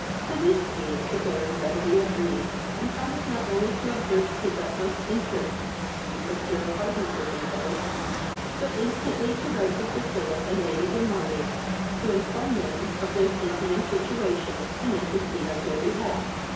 To this scheme the Baron readily agreed, and promised not only to exert his utmost interest to procure a pardon for them both, but instantly to write to Sir Philip and Lady de Morney to inform them of their safety and situation, and intercede on their behalf.